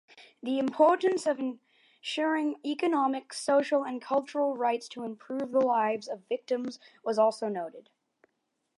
The importance of ensuring economic, social and cultural rights to improve the lives of victims was also noted.